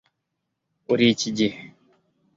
urikigihe